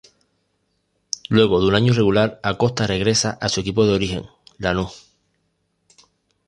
Luego de un año irregular, Acosta regresa a su equipo de origen, Lanús.